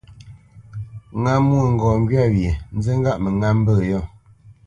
Ŋá mwôŋgɔʼ ŋgywâ wye, nzí ŋgâʼ mə ŋá mbə̂ yô.